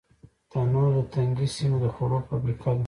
تنور د تنګې سیمې د خوړو فابریکه ده